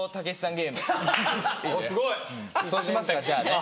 そうしますかじゃあね